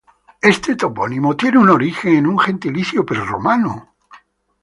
Este topónimo tiene un origen en un gentilicio prerromano.